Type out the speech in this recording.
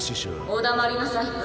お黙りなさい豚。